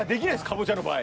カボチャの場合。